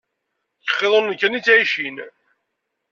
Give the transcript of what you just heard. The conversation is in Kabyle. Deg iqiḍunen kan i ttɛicin.